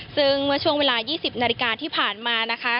ซึ่งเมื่อช่วงเวลา๒๐นาฬิกาที่ผ่านมานะคะ